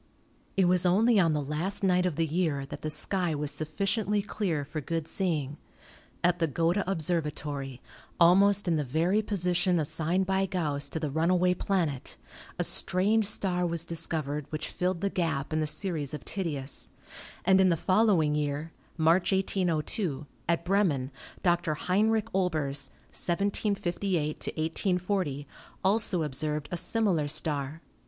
It was only on the last night of the year that the sky was sufficiently clear for good seeing. At the Gotha Observatory, almost in the 218 ASTRONOMY very position assigned by Ganss to the runaway planet, a strange star was discovered, which filled the gap in the series of Titius, and in the following year (March, 1802), at Bremen, Dr. Heinrich Olbers (1758 1840) also observed a similar star.